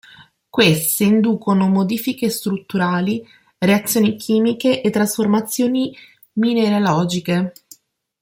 Queste inducono modifiche strutturali, reazioni chimiche e trasformazioni mineralogiche.